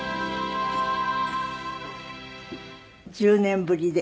１０年ぶりで。